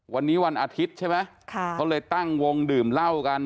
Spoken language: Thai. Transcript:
วันนี้วันอาทิตย์ใช่ไหมเขาเลยตั้งวงดื่มเหล้ากัน